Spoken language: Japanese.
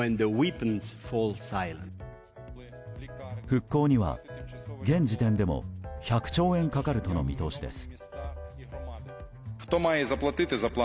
復興には現時点でも１００兆円かかるとの見通しです。